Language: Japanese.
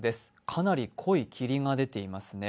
かなり濃い霧が出ていますね。